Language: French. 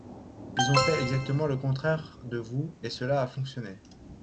Ils ont fait exactement le contraire de vous, et cela a fonctionné